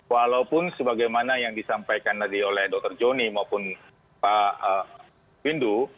walaupun sebagaimana yang disampaikan tadi oleh dr joni maupun pak windu